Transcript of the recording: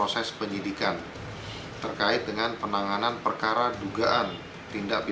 apakah politik yang berbiaya tinggi